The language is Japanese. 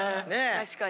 確かに。